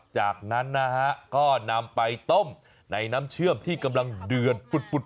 จากนั้นนะฮะก็นำไปต้มในน้ำเชื่อมที่กำลังเดือดปุด